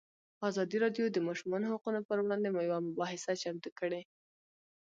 ازادي راډیو د د ماشومانو حقونه پر وړاندې یوه مباحثه چمتو کړې.